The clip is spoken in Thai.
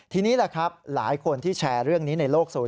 ทีนี้แหละครับหลายคนที่แชร์เรื่องนี้ในโลกโซ